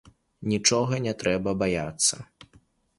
Нічога не трэба баяцца.